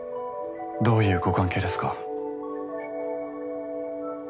どういうご関係ですか？